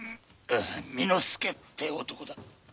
巳之介って男だ。